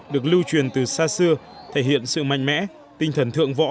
được lưu truyền từ xa xưa thể hiện sự mạnh mẽ tinh thần thượng võ